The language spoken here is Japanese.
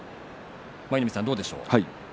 舞の海さん、どうでしょう。